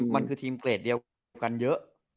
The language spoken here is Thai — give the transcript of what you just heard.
มันคือทีมเกรดเดียวกันเยอะ